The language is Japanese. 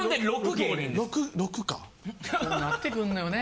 こうなってくんのよね。